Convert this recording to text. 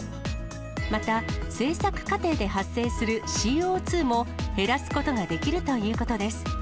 また製作過程で発生するＣＯ２も減らすことができるということです。